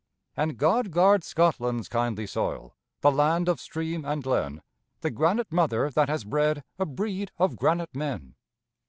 And God guard Scotland's kindly soil, The land of stream and glen, The granite mother that has bred A breed of granite men!